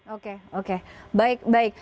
oke oke baik baik